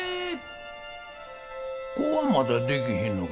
子はまだできひんのか？